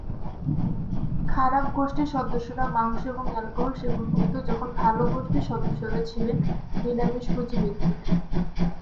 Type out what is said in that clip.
খারাপ গোষ্ঠীর সদস্যরা মাংস এবং অ্যালকোহল সেবন করত যখন ভাল গোষ্ঠীর সদস্যরা ছিলেন নিরামিষভোজী ব্যক্তিরা।